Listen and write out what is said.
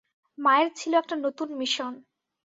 মায়ের ছিল একটা নতুন মিশন।